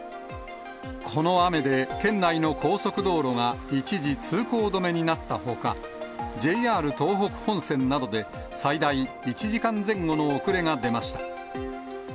この雨で、県内の高速道路が一時通行止めになったほか、ＪＲ東北本線などで最大１時間前後の遅れが出ました。